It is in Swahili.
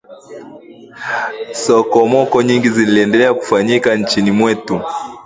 Sokomoko nyingi ziliendelea kufanyika nchini mwetu